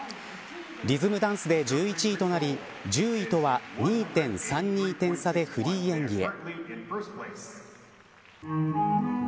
リズムダンスで１１位となり１０位とは２．３２点差でフリー演技へ。